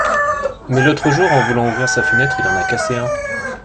Mais l’autre jour, en voulant ouvrir sa fenêtre, il en a cassé un !…